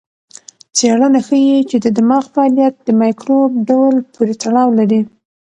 څېړنه ښيي چې د دماغ فعالیت د مایکروب ډول پورې تړاو لري.